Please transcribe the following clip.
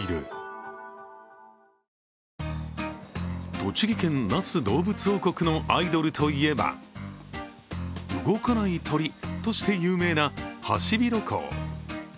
栃木県那須どうぶつ王国のアイドルといえば動かない鳥として有名なハシビロコウ。